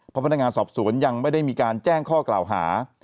เพราะพนักงานสอบสวนยังไม่ได้มีการแจ้งข้อกล่าวหา